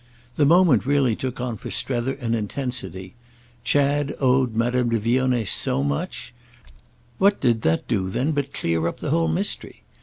The moment really took on for Strether an intensity. Chad owed Madame de Vionnet so much? What did that do then but clear up the whole mystery?